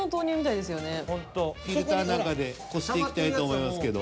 フィルターなんかでこしていきたいと思いますけど。